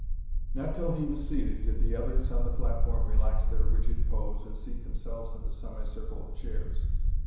Not till he was seated did the others on the platform relax their rigid pose and seat themselves in the semicircle of chairs.